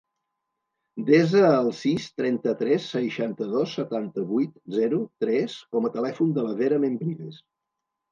Desa el sis, trenta-tres, seixanta-dos, setanta-vuit, zero, tres com a telèfon de la Vera Membrives.